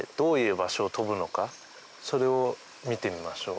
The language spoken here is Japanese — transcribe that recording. それを見てみましょう。